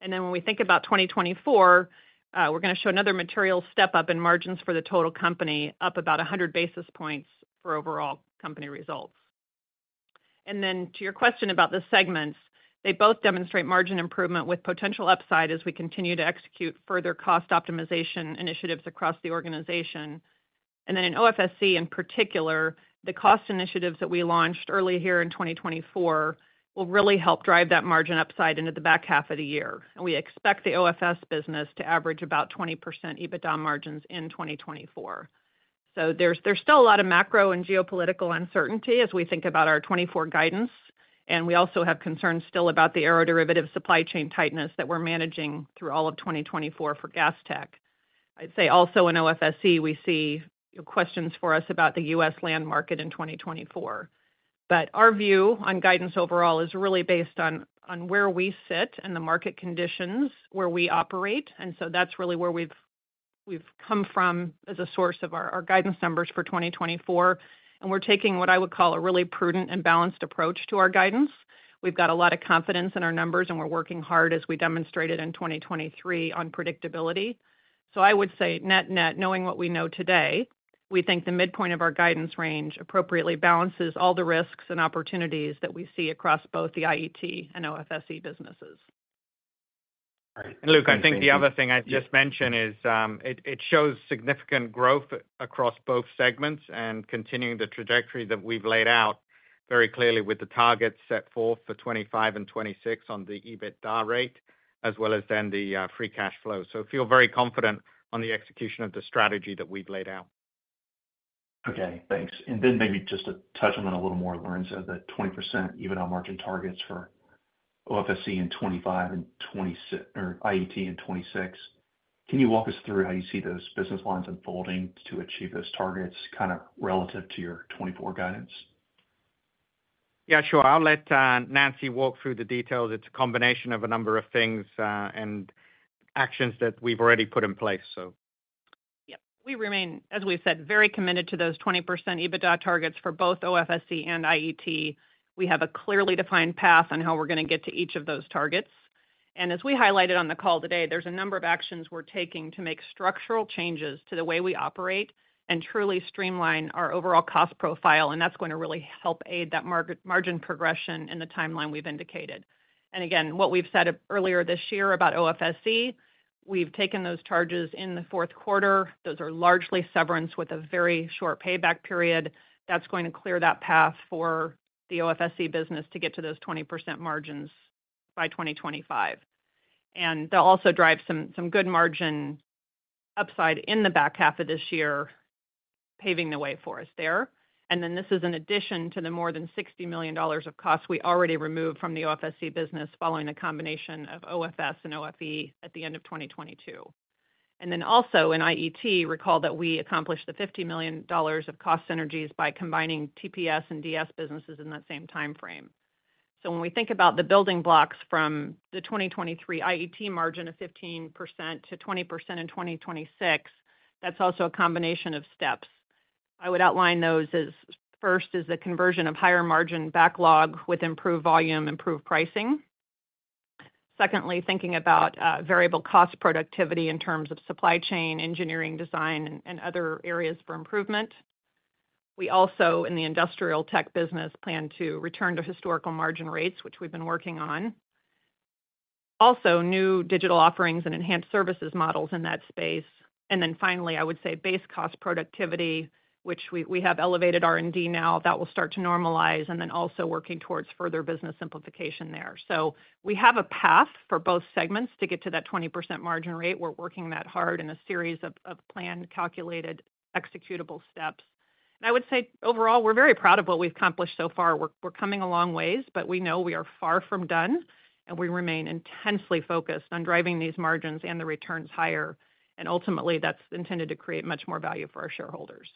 And then when we think about 2024, we're gonna show another material step up in margins for the total company, up about 100 basis points for overall company results. And then to your question about the segments, they both demonstrate margin improvement with potential upside as we continue to execute further cost optimization initiatives across the organization. And then in OFSE, in particular, the cost initiatives that we launched early here in 2024, will really help drive that margin upside into the back half of the year. And we expect the OFSE business to average about 20% EBITDA margins in 2024. So there's still a lot of macro and geopolitical uncertainty as we think about our 2024 guidance, and we also have concerns still about the aero-derivative supply chain tightness that we're managing through all of 2024 for gas tech. I'd say also in OFSE, we see questions for us about the U.S. land market in 2024. But our view on guidance overall is really based on where we sit and the market conditions where we operate. So that's really where we've come from as a source of our guidance numbers for 2024, and we're taking what I would call a really prudent and balanced approach to our guidance. We've got a lot of confidence in our numbers, and we're working hard, as we demonstrated in 2023, on predictability. So I would say net-net, knowing what we know today, we think the midpoint of our guidance range appropriately balances all the risks and opportunities that we see across both the IET and OFSE businesses. Luke, I think the other thing I'd just mention is, it shows significant growth across both segments and continuing the trajectory that we've laid out very clearly with the targets set forth for 2025 and 2026 on the EBITDA rate, as well as then the free cash flow. So feel very confident on the execution of the strategy that we've laid out. Okay, thanks. Then maybe just to touch on that a little more, Lorenzo, the 20% EBITDA margin targets for OFSE in 2025 and 2026, or IET in 2026. Can you walk us through how you see those business lines unfolding to achieve those targets, kind of relative to your 2024 guidance? Yeah, sure. I'll let Nancy walk through the details. It's a combination of a number of things, and actions that we've already put in place, so. Yeah, we remain, as we've said, very committed to those 20% EBITDA targets for both OFSE and IET. We have a clearly defined path on how we're gonna get to each of those targets. And as we highlighted on the call today, there's a number of actions we're taking to make structural changes to the way we operate and truly streamline our overall cost profile, and that's going to really help aid that margin progression in the timeline we've indicated. And again, what we've said earlier this year about OFSE, we've taken those charges in the fourth quarter. Those are largely severance with a very short payback period. That's going to clear that path for the OFSE business to get to those 20% margins by 2025. And they'll also drive some good margin upside in the back half of this year, paving the way for us there. And then this is in addition to the more than $60 million of costs we already removed from the OFSE business, following a combination of OFS and OFE at the end of 2022. And then also, in IET, recall that we accomplished the $50 million of cost synergies by combining TPS and DS businesses in that same timeframe. So when we think about the building blocks from the 2023 IET margin of 15%-20% in 2026, that's also a combination of steps. I would outline those as, first, is the conversion of higher margin backlog with improved volume, improved pricing. Secondly, thinking about variable cost productivity in terms of supply chain, engineering, design, and other areas for improvement. We also, in the industrial tech business, plan to return to historical margin rates, which we've been working on. Also, new digital offerings and enhanced services models in that space. And then finally, I would say base cost productivity, which we have elevated R&D now, that will start to normalize, and then also working towards further business simplification there. So we have a path for both segments to get to that 20% margin rate. We're working that hard in a series of planned, calculated, executable steps. And I would say, overall, we're very proud of what we've accomplished so far. We're coming a long ways, but we know we are far from done, and we remain intensely focused on driving these margins and the returns higher. And ultimately, that's intended to create much more value for our shareholders.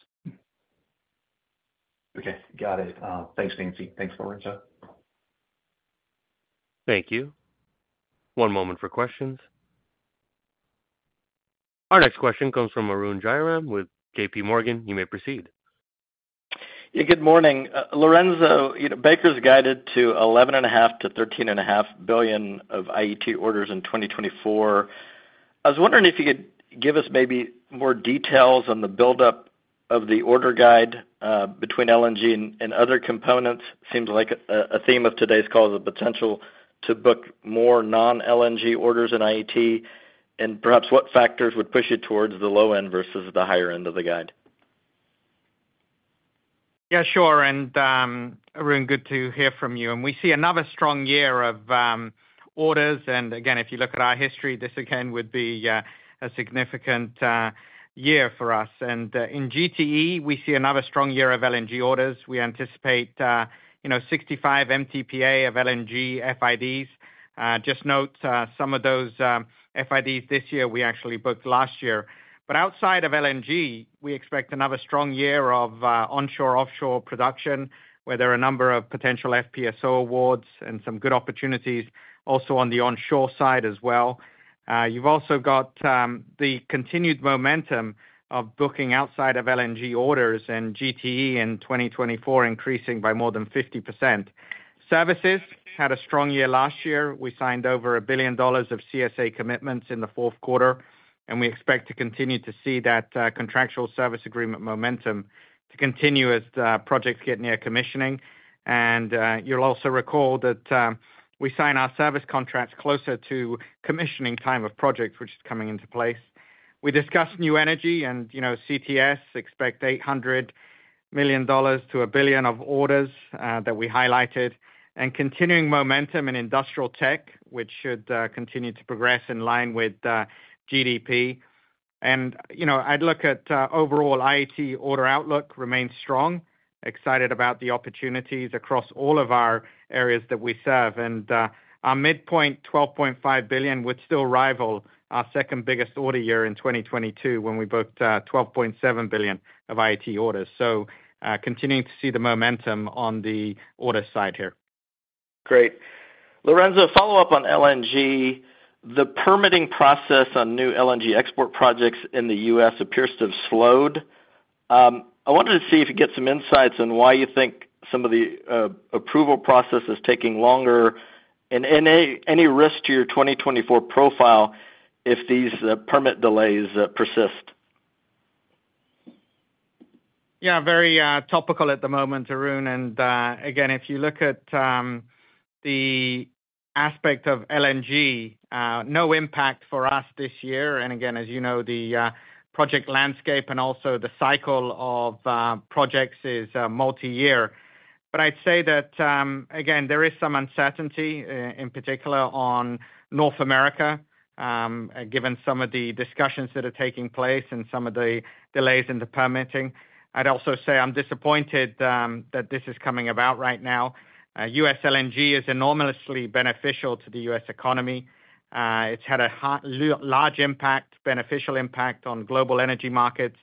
Okay, got it. Thanks, Nancy. Thanks, Lorenzo. Thank you. One moment for questions. Our next question comes from Arun Jayaram with J.P. Morgan. You may proceed. Yeah, good morning. Lorenzo, you know, Baker's guided to $11.5 billion-$13.5 billion of IET orders in 2024. I was wondering if you could give us maybe more details on the buildup of the order guide, between LNG and other components. Seems like a theme of today's call is the potential to book more non-LNG orders in IET, and perhaps what factors would push you towards the low end versus the higher end of the guide? Yeah, sure. And, Arun, good to hear from you. And we see another strong year of orders. And again, if you look at our history, this again would be a significant year for us. And, in GTE, we see another strong year of LNG orders. We anticipate, you know, 65 MTPA of LNG FIDs. Just note, some of those FIDs this year, we actually booked last year. But outside of LNG, we expect another strong year of onshore-offshore production, where there are a number of potential FPSO awards and some good opportunities also on the onshore side as well. You've also got the continued momentum of booking outside of LNG orders and GTE in 2024, increasing by more than 50%. Services had a strong year last year. We signed over $1 billion of CSA commitments in the fourth quarter, and we expect to continue to see that contractual service agreement momentum to continue as projects get near commissioning. And you'll also recall that, we sign our service contracts closer to commissioning time of projects, which is coming into place. We discussed new energy and, you know, CTS expect $800 million-$1 billion of orders that we highlighted, and continuing momentum in industrial tech, which should continue to progress in line with GDP. And, you know, I'd look at overall, IET order outlook remains strong. Excited about the opportunities across all of our areas that we serve. Our midpoint, $12.5 billion, would still rival our second biggest order year in 2022, when we booked $12.7 billion of IET orders. Continuing to see the momentum on the order side here. Great. Lorenzo, follow up on LNG. The permitting process on new LNG export projects in the U.S. appears to have slowed. I wanted to see if you could get some insights on why you think some of the approval process is taking longer, and any risk to your 2024 profile if these permit delays persist? Yeah, very topical at the moment, Arun. And again, if you look at the aspect of LNG, no impact for us this year. And again, as you know, the project landscape and also the cycle of projects is multiyear. But I'd say that again, there is some uncertainty in particular on North America, given some of the discussions that are taking place and some of the delays in the permitting. I'd also say I'm disappointed that this is coming about right now. U.S. LNG is enormously beneficial to the U.S. economy. It's had a large impact, beneficial impact on global energy markets,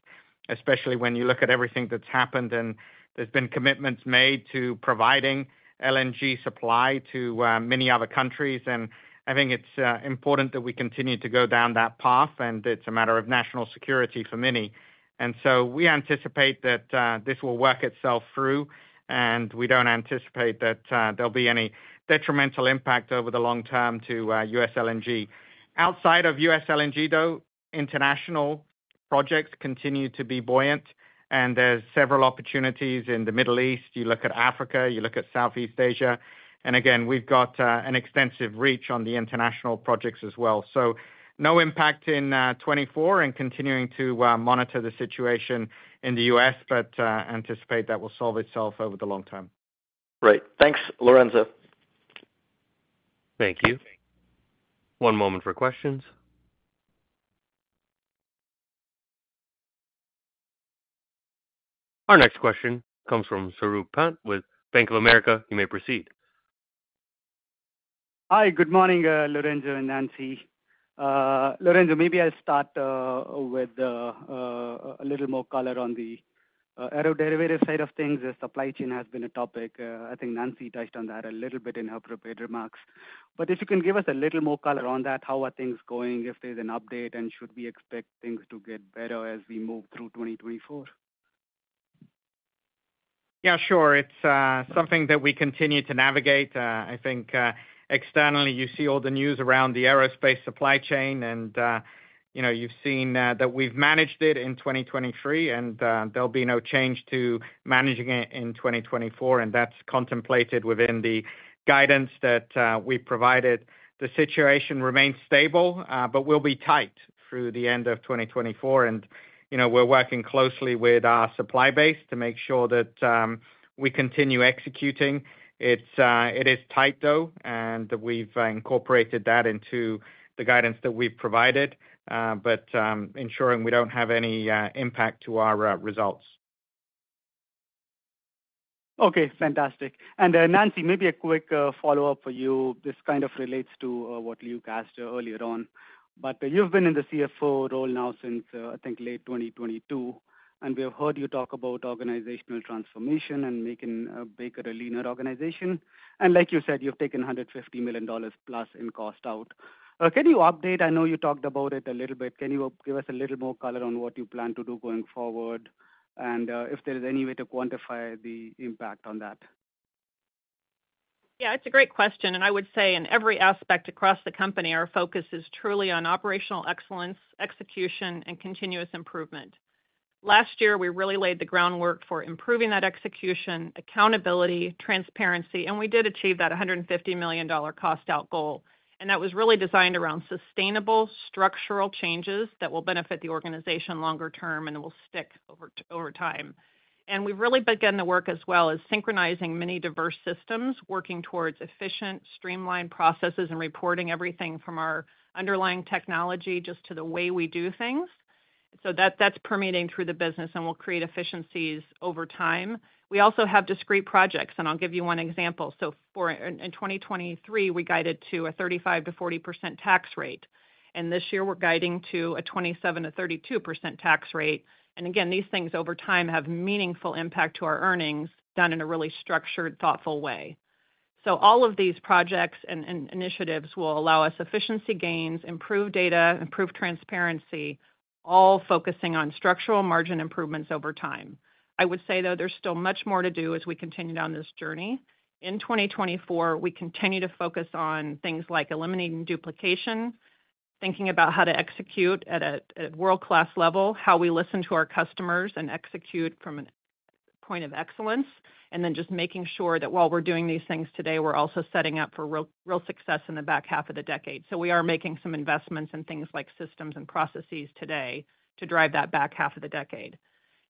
especially when you look at everything that's happened, and there's been commitments made to providing LNG supply to many other countries. And I think it's important that we continue to go down that path, and it's a matter of national security for many. And so we anticipate that this will work itself through, and we don't anticipate that there'll be any detrimental impact over the long term to US LNG. Outside of US LNG, though, international projects continue to be buoyant, and there's several opportunities in the Middle East. You look at Africa, you look at Southeast Asia, and again, we've got an extensive reach on the international projects as well. So no impact in 2024 and continuing to monitor the situation in the US, but anticipate that will solve itself over the long term. Great. Thanks, Lorenzo. Thank you. One moment for questions. Our next question comes from Saurabh Pant with Bank of America. You may proceed. Hi, good morning, Lorenzo and Nancy. Lorenzo, maybe I'll start with a little more color on the aeroderivative side of things. The supply chain has been a topic. I think Nancy touched on that a little bit in her prepared remarks. But if you can give us a little more color on that, how are things going, if there's an update, and should we expect things to get better as we move through 2024? Yeah, sure. It's something that we continue to navigate. I think externally, you see all the news around the aerospace supply chain, and you know, you've seen that we've managed it in 2023, and there'll be no change to managing it in 2024, and that's contemplated within the guidance that we provided. The situation remains stable, but will be tight through the end of 2024, and you know, we're working closely with our supply base to make sure that we continue executing. It is tight, though, and we've incorporated that into the guidance that we've provided, but ensuring we don't have any impact to our results. Okay, fantastic. And, Nancy, maybe a quick, follow-up for you. This kind of relates to, what Luke asked earlier on, but you've been in the CFO role now since, I think, late 2022, and we have heard you talk about organizational transformation and making, Baker a leaner organization. And like you said, you've taken $150 million plus in cost out. Can you update? I know you talked about it a little bit. Can you give us a little more color on what you plan to do going forward, and, if there is any way to quantify the impact on that? Yeah, it's a great question, and I would say in every aspect across the company, our focus is truly on operational excellence, execution, and continuous improvement. Last year, we really laid the groundwork for improving that execution, accountability, transparency, and we did achieve that $150 million cost-out goal. That was really designed around sustainable structural changes that will benefit the organization longer term and will stick over time. We've really begun the work as well as synchronizing many diverse systems, working towards efficient, streamlined processes and reporting everything from our underlying technology, just to the way we do things. So that, that's permeating through the business and will create efficiencies over time. We also have discrete projects, and I'll give you one example. So for in 2023, we guided to a 35%-40% tax rate, and this year we're guiding to a 27%-32% tax rate. And again, these things over time have meaningful impact to our earnings, done in a really structured, thoughtful way. So all of these projects and initiatives will allow us efficiency gains, improved data, improved transparency, all focusing on structural margin improvements over time. I would say, though, there's still much more to do as we continue down this journey. In 2024, we continue to focus on things like eliminating duplication, thinking about how to execute at a world-class level, how we listen to our customers and execute from a point of excellence, and then just making sure that while we're doing these things today, we're also setting up for real, real success in the back half of the decade. So we are making some investments in things like systems and processes today to drive that back half of the decade.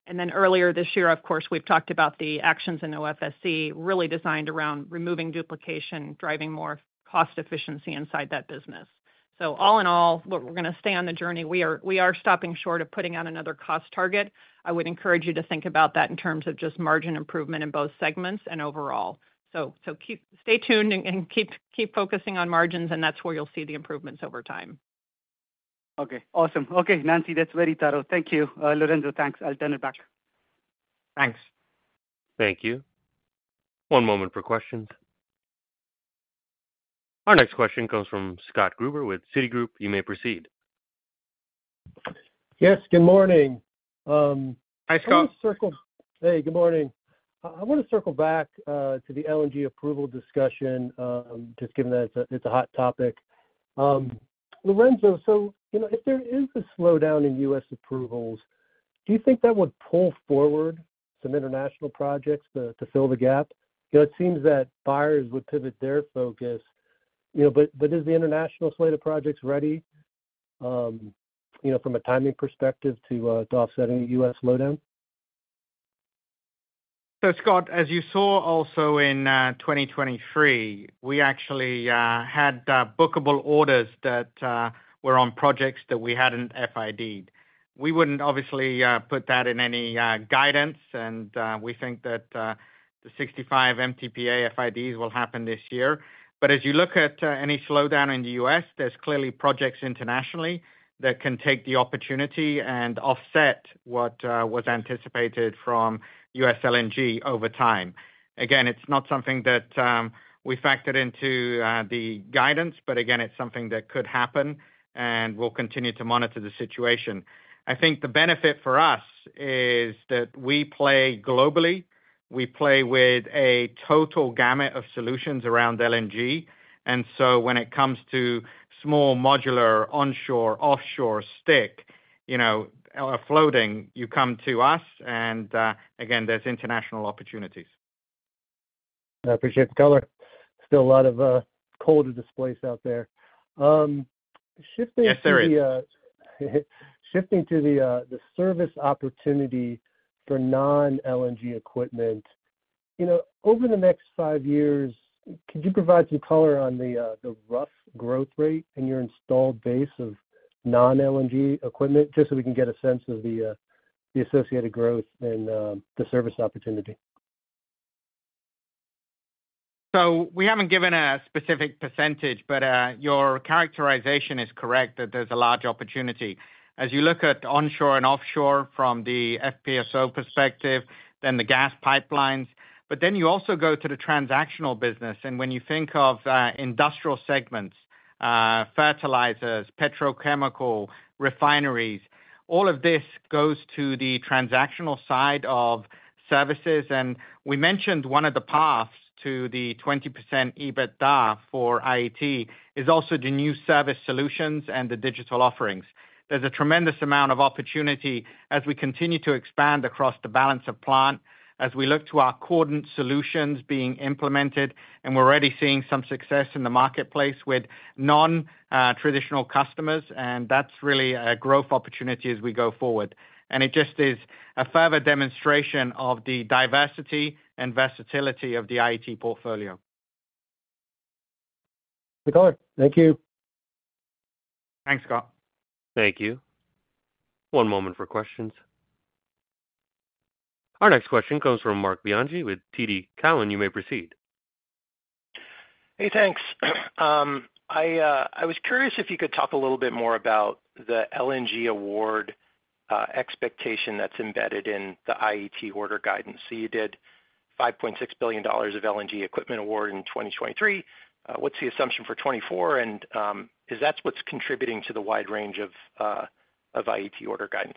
And then earlier this year, of course, we've talked about the actions in OFSE, really designed around removing duplication, driving more cost efficiency inside that business. So all in all, we're gonna stay on the journey. We are stopping short of putting out another cost target. I would encourage you to think about that in terms of just margin improvement in both segments and overall. So, stay tuned and keep focusing on margins, and that's where you'll see the improvements over time. Okay, awesome. Okay, Nancy, that's very thorough. Thank you. Lorenzo, thanks. I'll turn it back. Thanks. Thank you. One moment for questions. Our next question comes from Scott Gruber with Citigroup. You may proceed. Yes, good morning. Hi, Scott. Hey, good morning. I want to circle back to the LNG approval discussion, just given that it's a hot topic. Lorenzo, so, you know, if there is a slowdown in U.S. approvals, do you think that would pull forward some international projects to fill the gap? You know, it seems that buyers would pivot their focus, you know, but is the international slate of projects ready, you know, from a timing perspective to offsetting the U.S. slowdown? So, Scott, as you saw also in 2023, we actually had bookable orders that were on projects that we hadn't FID'd. We wouldn't obviously put that in any guidance, and we think that the 65 MTPA FID will happen this year. But as you look at any slowdown in the U.S., there's clearly projects internationally that can take the opportunity and offset what was anticipated from U.S. LNG over time. Again, it's not something that we factored into the guidance, but again, it's something that could happen, and we'll continue to monitor the situation. I think the benefit for us is that we play globally. We play with a total gamut of solutions around LNG, and so when it comes to small, modular, onshore, offshore, stick, you know, floating, you come to us, and again, there's international opportunities. I appreciate the color. Still a lot of coal to displace out there. Shifting- Yes, there is. Shifting to the service opportunity for non-LNG equipment, you know, over the next five years, could you provide some color on the rough growth rate in your installed base of non-LNG equipment, just so we can get a sense of the associated growth and the service opportunity? So we haven't given a specific percentage, but, your characterization is correct, that there's a large opportunity. As you look at onshore and offshore from the FPSO perspective, then the gas pipelines, but then you also go to the transactional business, and when you think of, industrial segments, fertilizers, petrochemical, refineries, all of this goes to the transactional side of services. We mentioned one of the paths to the 20% EBITDA for IET is also the new service solutions and the digital offerings. There's a tremendous amount of opportunity as we continue to expand across the balance of plant, as we look to our Cordant solutions being implemented, and we're already seeing some success in the marketplace with non-traditional customers, and that's really a growth opportunity as we go forward. It just is a further demonstration of the diversity and versatility of the IET portfolio. Good color. Thank you. Thanks, Scott. Thank you. One moment for questions. Our next question comes from Marc Bianchi with TD Cowen. You may proceed. Hey, thanks. I was curious if you could talk a little bit more about the LNG award expectation that's embedded in the IET order guidance. So you did $5.6 billion of LNG equipment award in 2023. What's the assumption for 2024? And, is that's what's contributing to the wide range of of IET order guidance?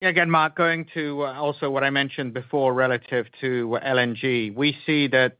Yeah, again, Marc, going to also what I mentioned before, relative to LNG. We see that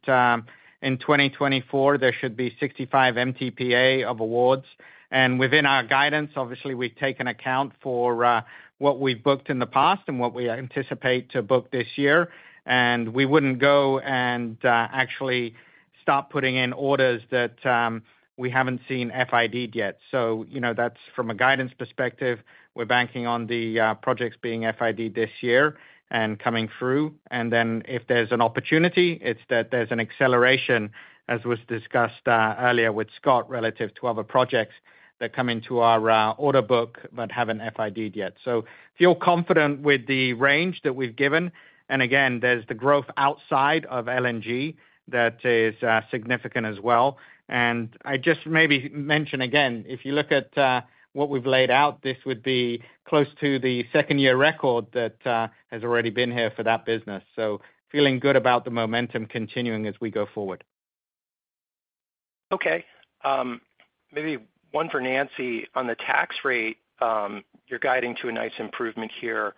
in 2024, there should be 65 MTPA of awards, and within our guidance, obviously, we've taken account for what we've booked in the past and what we anticipate to book this year. And we wouldn't go and actually start putting in orders that we haven't seen FID'd yet. So, you know, that's from a guidance perspective, we're banking on the projects being FID'd this year and coming through. And then, if there's an opportunity, it's that there's an acceleration, as was discussed earlier with Scott, relative to other projects that come into our order book but haven't FID'd yet. So feel confident with the range that we've given, and again, there's the growth outside of LNG that is significant as well. I just maybe mention again, if you look at what we've laid out, this would be close to the second-year record that has already been here for that business, so feeling good about the momentum continuing as we go forward. Okay. Maybe one for Nancy. On the tax rate, you're guiding to a nice improvement here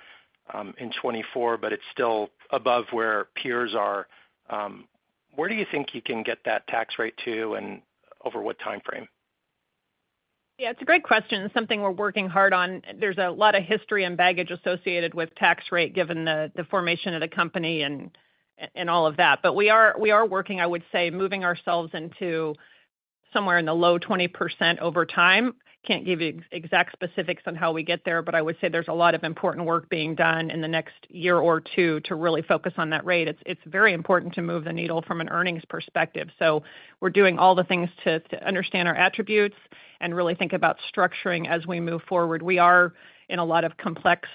in 2024, but it's still above where peers are. Where do you think you can get that tax rate to, and over what timeframe? Yeah, it's a great question, something we're working hard on. There's a lot of history and baggage associated with tax rate, given the formation of the company and all of that. But we are working, I would say, moving ourselves into somewhere in the low 20% over time. Can't give you exact specifics on how we get there, but I would say there's a lot of important work being done in the next year or two to really focus on that rate. It's very important to move the needle from an earnings perspective. So we're doing all the things to understand our attributes and really think about structuring as we move forward. We are in a lot of complex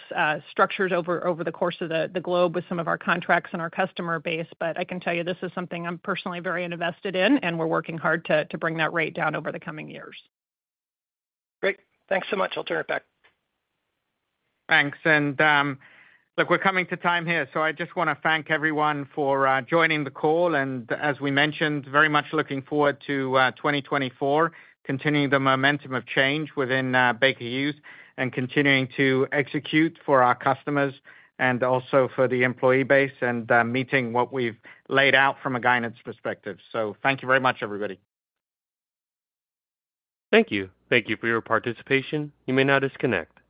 structures over the course of the globe with some of our contracts and our customer base, but I can tell you this is something I'm personally very invested in, and we're working hard to bring that rate down over the coming years. Great. Thanks so much. I'll turn it back. Thanks. And, look, we're coming to time here, so I just wanna thank everyone for joining the call, and as we mentioned, very much looking forward to 2024, continuing the momentum of change within Baker Hughes, and continuing to execute for our customers and also for the employee base, and meeting what we've laid out from a guidance perspective. So thank you very much, everybody. Thank you. Thank you for your participation. You may now disconnect.